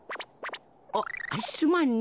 あっすまんね。